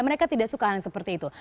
mereka tidak suka hal yang seperti itu